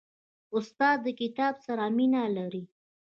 استاد د کتاب سره مینه لري.